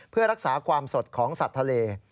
เพื่อรักษาความสดของสัตว์ทะเล